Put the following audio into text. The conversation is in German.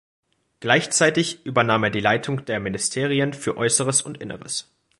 Gleichzeitig übernahm er die Leitung der Ministerien für Äußeres und Inneres.